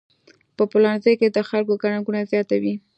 په پلورنځي کې د خلکو ګڼه ګوڼه زیاته وي.